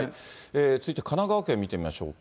続いて神奈川県見てみましょうか。